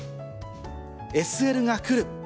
ＳＬが来る。